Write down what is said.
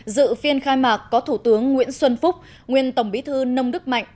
dự phiên khai mạc có thủ tướng nguyễn xuân phúc nguyên tổng bí thư nông đức mạnh